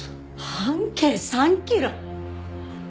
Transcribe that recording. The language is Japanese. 半径３キロ？